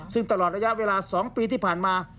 ซึ่งตลอดระยะเวลา๒ปีที่ผ่านมา